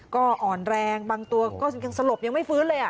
ก็อ่อนแรงบางตัวก็ยังสลบยังไม่ฟื้นเลย